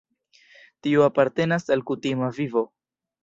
Tio apartenas al kutima vivo.